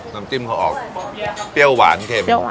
น้ำจิ้มเขาออกเปรี้ยวหวานเค็ม